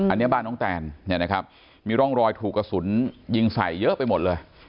อันนี้บ้านน้องแตนมีร่องรอยถูกกระสุนยิงใส่เยอะไปหมดเลย